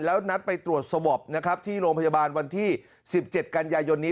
แล้วนัดไปตรวจสวอปนะครับที่โรงพยาบาลวันที่๑๗กันยายนนี้